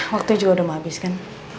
waktunya juga udah mau habis kan